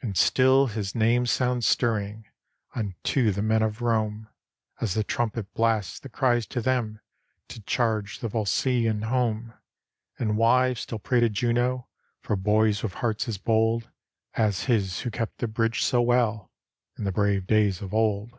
And still his name sounds stirring Unto the men of Rome, As the trumpet blast that cries to them To charge the Volscian home; And wives still pray to Juno For boys with hearts as bold As his who kept the bridge so well In the brave days of old.